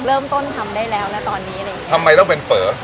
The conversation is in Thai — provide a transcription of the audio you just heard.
เริ่มต้นทำได้แล้วนะตอนนี้อะไรอย่างนี้ทำไมต้องเป็นเฝอ